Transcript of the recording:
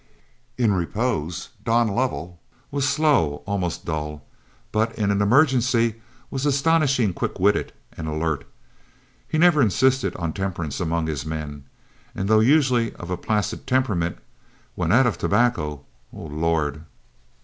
In repose, Don Lovell was slow, almost dull, but in an emergency was astonishingly quick witted and alert. He never insisted on temperance among his men, and though usually of a placid temperament, when out of tobacco Lord!